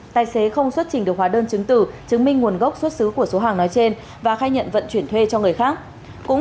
tài xế không xuất trình được hóa đơn chứng tử chứng minh nguồn gốc xuất xứ của số hàng